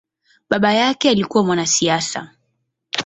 Baba yake alikua mwanasiasa.